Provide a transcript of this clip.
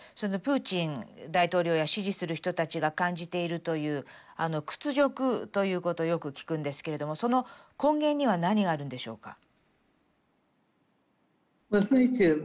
プーチン大統領や支持する人たちが感じているという屈辱ということをよく聞くんですけれどもその根源には何があるんでしょうか？